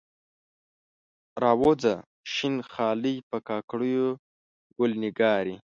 راووځه شین خالۍ، په کاکړیو ګل نګارې